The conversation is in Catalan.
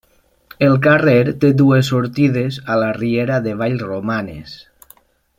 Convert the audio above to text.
El carrer té dues sortides a la riera de Vallromanes.